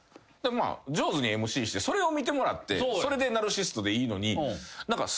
まあ上手にＭＣしてそれを見てもらってそれでナルシストでいいのに何か。